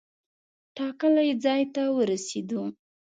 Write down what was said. ټاکلي ځای ته ورسېدو.